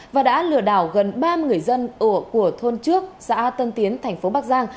và đã lừa đảo gần ba mươi người dân của thôn trước xã tân tiến thành phố bắc giang